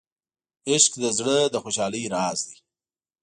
عشق د زړه د خوشحالۍ راز دی.